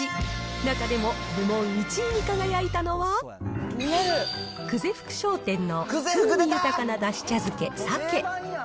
中でも部門１位に輝いたのは、久世福商店の風味豊かなだし茶漬け鮭。